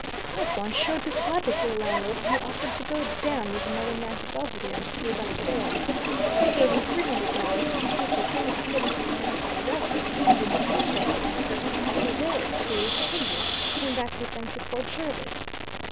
I at once showed this letter to the landlord, and he offered to go down with another man to Belvidere and see about the bail. I gave him three hundred dollars, which he took with him and put into the bands of a resident there who became bail, and in a day or two Henry came back with them to Port Jervis.